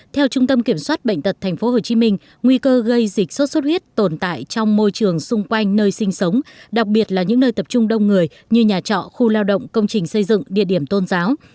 theo trung tâm kiểm soát bệnh tật tp hcm nguy cơ gây dịch sốt xuất huyết tồn tại trong môi trường xung quanh nơi sinh sống đặc biệt là những nơi tập trung đông người như nhà trọ khu lao động công trình xây dựng địa điểm tôn giáo